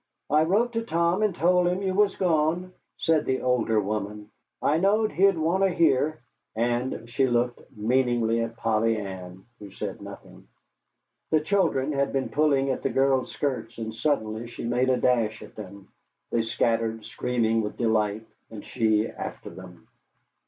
"I wrote to Tom and told him you was gone," said the older woman. "I knowed he'd wanter hear." And she looked meaningly at Polly Ann, who said nothing. The children had been pulling at the girl's skirts, and suddenly she made a dash at them. They scattered, screaming with delight, and she after them.